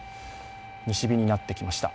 西日になってきました。